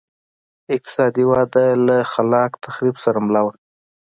اقتصادي وده له خلاق تخریب سره مله وه